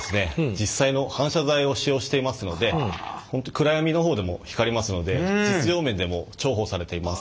実際の反射材を使用していますので暗闇の方でも光りますので実用面でも重宝されています。